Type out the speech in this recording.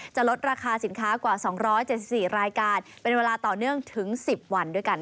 จะลดราคาสินค้ากว่า๒๗๔รายการเป็นเวลาต่อเนื่องถึง๑๐วันด้วยกัน